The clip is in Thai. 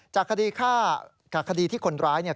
จากคดีที่คนร้าย